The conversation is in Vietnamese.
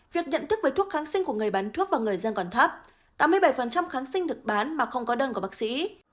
việc nhận thức về thuốc kháng sinh của người bán thuốc và người dân còn thấp tám mươi bảy kháng sinh được bán mà không có đơn của bác sĩ